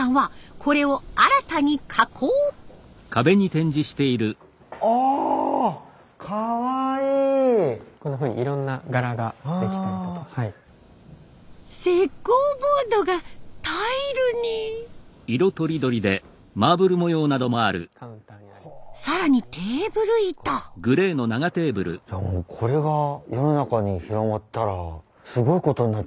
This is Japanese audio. これが世の中に広まったらすごいことになっちゃいますね。